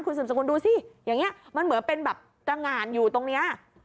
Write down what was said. คุณสมสงวนดูสิอย่างเงี้ยมันเหมือนเป็นแบบจ้างงานอยู่ตรงเนี้ย